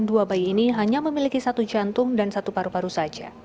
dua bayi ini hanya memiliki satu jantung dan satu paru paru saja